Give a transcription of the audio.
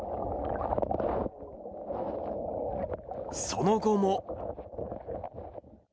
その後も。